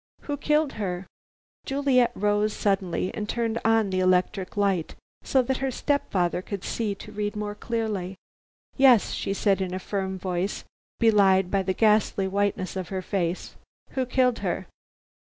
"Who killed her?" Juliet rose suddenly and turned on the electric light, so that her step father could see to read more clearly. "Yes," she said in a firm voice, belied by the ghastly whiteness of her face, "who killed her?"